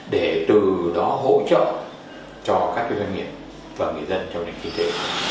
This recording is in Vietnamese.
để từ đó hỗ trợ cho các doanh nghiệp và người dân trong nền kinh tế